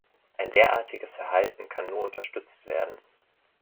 Ein derartiges Verhalten kann nur unterstützt werden.